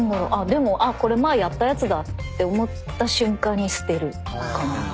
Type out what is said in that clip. でもあっこれ前やったやつだって思った瞬間に捨てるかな。